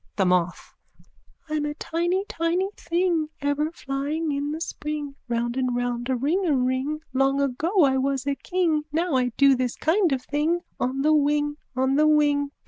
THE MOTH: I'm a tiny tiny thing Ever flying in the spring Round and round a ringaring. Long ago I was a king Now I do this kind of thing On the wing, on the wing!